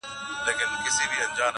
د مجسمې انځور هر ځای ځوړند ښکاري,